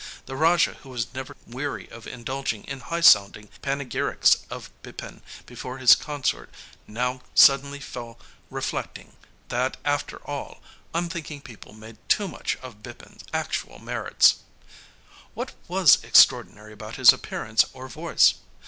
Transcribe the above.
The Raja, who was never weary of indulging in high sounding panegyrics of Bipin before his consort, now suddenly fell reflecting that, after all, unthinking people made too much of Bipin's actual merits. What was extraordinary about his appearance or voice?